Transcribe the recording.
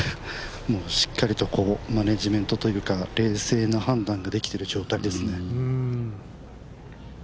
しっかりとマネジメントというか、冷静な判断ができている状態ですね。